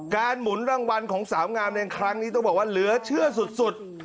หมุนรางวัลของสาวงามในครั้งนี้ต้องบอกว่าเหลือเชื่อสุด